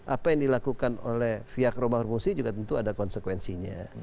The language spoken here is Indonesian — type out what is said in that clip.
apa yang dilakukan oleh pihak romahur musi juga tentu ada konsekuensinya